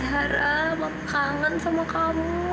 dara aku kangen sama kamu